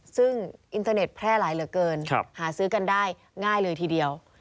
ซึ่งอินเทอร์เน็ตแพร่หลายเหลือเกินหาซื้อกันได้ง่ายเลยทีเดียว